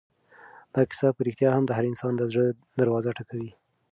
دا کیسه په رښتیا هم د هر انسان د زړه دروازه ټکوي.